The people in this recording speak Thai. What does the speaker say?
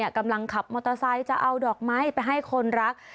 กำลังขับมอเตอร์ไซค์จะเอาดอกไม้ไปให้คนรัก